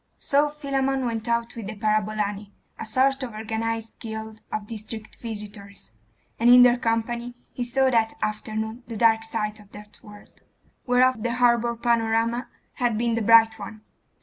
So Philammon went out with the parabolani, a sort of organised guild of district visitors.... And in their company he saw that afternoon the dark side of that world, whereof the harbour panorama had been the bright one.